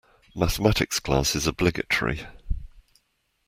Mathematics class is obligatory.